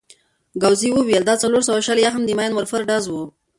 ګاووزي وویل: دا څلور سوه شل یا هم د ماينين ورفر ډز وو.